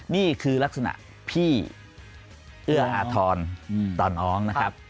นี่คือลักษณะพี่เอื้ออาทรตอนน้องนะครับ